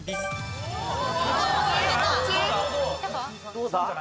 どうだ？